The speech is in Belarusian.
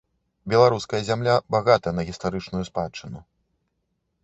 Беларуская зямля багата на гістарычную спадчыну.